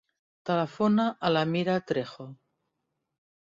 Telefona a la Mira Trejo.